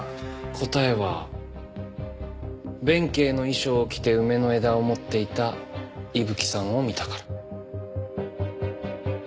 答えは弁慶の衣装を着て梅の枝を持っていた伊吹さんを見たから。